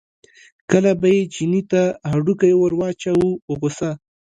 کله به یې چیني ته هډوکی ور واچاوه په غوسه.